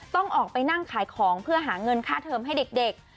ต้องออกไปนั่งขายของเพื่อหาเงินค่าเทิมให้เด็ก